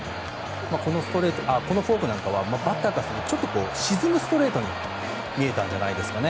このフォークなんかはバッターからすると沈むストレートに見えたんじゃないですかね。